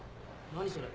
何それ。